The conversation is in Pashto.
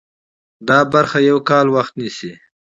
دا برخه یو کال وخت نیسي.